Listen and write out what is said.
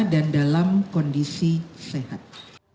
dan dalam kondisi sehat